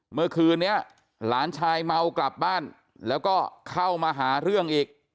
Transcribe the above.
เมื่อคืนนี้หลานชายเมากลับบ้านแล้วก็เข้ามาหาเรื่องอีก